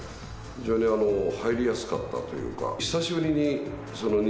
非常に入りやすかったというか。